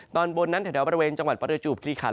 ตอนบนนั้นแถวบริเวณจังหวัดประจวบคลีขัน